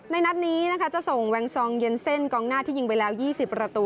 นัดนี้นะคะจะส่งแวงซองเย็นเส้นกองหน้าที่ยิงไปแล้ว๒๐ประตู